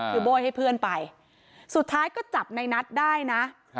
คือโบ้ยให้เพื่อนไปสุดท้ายก็จับในนัทได้นะ